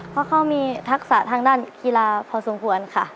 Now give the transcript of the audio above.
เพราะเขามีทักษะทางด้านกีฬาพอสมควรค่ะ